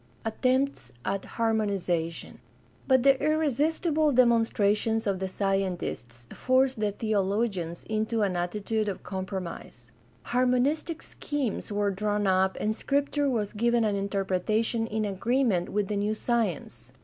Attempts at harmonization. — But the irresistible demon strations of the scientists forced the theologians into an atti tude of compromise. Harmonistic schemes were drawn up and Scripture was given an interpretation in agreement with the new science.